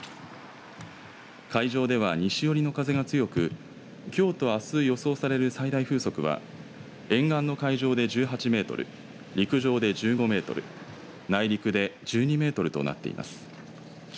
海上では西寄りの風が強くきょうとあす予想される最大風速は沿岸の海上で１８メートル陸上で１５メートル内陸で１２メートルとなっています。